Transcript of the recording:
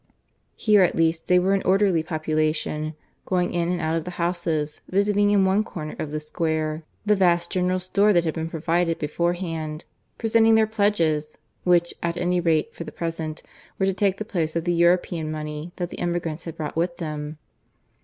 Here at least they were an orderly population, going in and out of the houses, visiting in one corner of the square the vast general store that had been provided beforehand, presenting their pledges, which, at any rate for the present, were to take the place of the European money that the emigrants had brought with them.